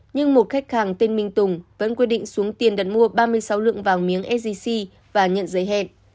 nhưng một khách hàng tên minh tùng vẫn quyết định xuống tiền đặt mua ba mươi sáu lượng vàng miếng sgc và nhận giới hẹn